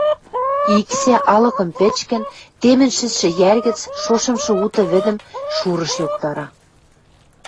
Иксӓ, алыкым пӹчкӹн, темӹн шӹцшӹ йӓр гӹц шошымшы уты вӹдӹм Шурыш йоктара.